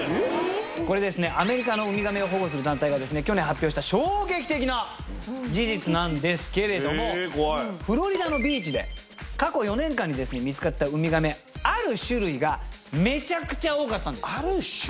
これですねアメリカのウミガメを保護する団体がですね去年発表した衝撃的な事実なんですけれどもえ怖いフロリダのビーチで過去４年間にですね見つかったウミガメある種類がめちゃくちゃ多かったんですある種類？